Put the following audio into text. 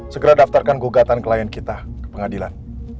segera daftarkan gugatan klien kita ke pengadilan